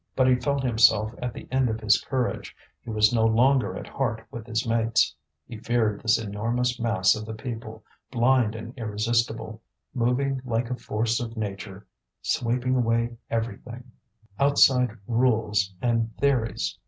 But he felt himself at the end of his courage, he was no longer at heart with his mates; he feared this enormous mass of the people, blind and irresistible, moving like a force of nature, sweeping away everything, outside rules and theories.